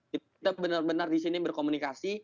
kita benar benar di sini berkomunikasi